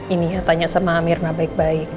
ini ya tanya sama mirna baik baik